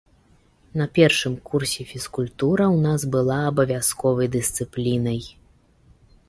На першым курсе фізкультура ў нас была абавязковай дысцыплінай.